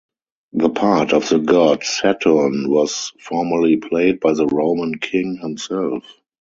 The part of the god Saturn was formerly played by the Roman king himself.